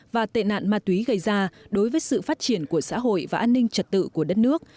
và tệ nạn ma túy gây ra đối với sự phát triển của xã hội và an ninh trật tự của đất nước